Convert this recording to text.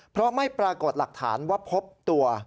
เพราะไม่ปรากฏหลักฐานว่าพบตัว